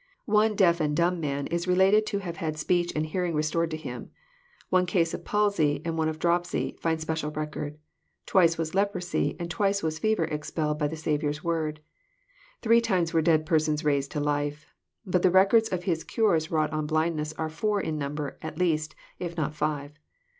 One deaf and dumb man is related to have had speech and hearing restosed to him ; one case of palsy, and one of dropsy, find special record ; twice was leprosy, • and twice was fever expelled by the Saviour's word ; three times were dead persons raised to life ; but the records of His cures wrought on blindness are four in number, at least, if not five."